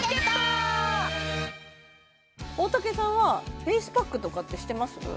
大竹さんはフェイスパックとかってしてます？